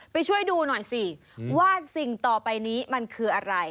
ไปช่วยดูหน่อยสิว่าสิ่งต่อไปนี้มันคืออะไร